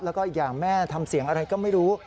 แล้วก็อีกอย่างแม่ทำเสียงอะไรก็ไม่รู้